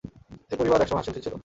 এই পরিবার এক সময় হাসিখুশি ছিল।